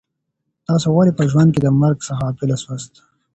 تاسي ولي په ژوند کي د مرګ څخه غافله سواست؟